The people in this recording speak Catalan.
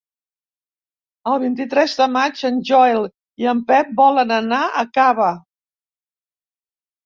El vint-i-tres de maig en Joel i en Pep volen anar a Cava.